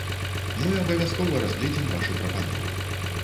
Мы абавязкова разгледзім вашы прапановы.